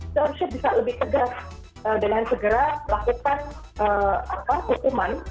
itu harusnya bisa lebih tegas dengan segera melakukan hukuman dan mengatakan penghentian